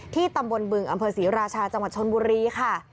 ตำบลบึงอำเภอศรีราชาจังหวัดชนบุรีค่ะ